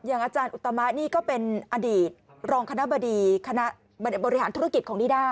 อย่างอาจารย์อุตมาตย์นี่ก็เป็นอดีตรองคณะบริหารธุรกิจของนิด้า